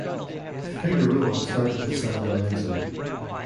Figueroa started with San Lorenzo.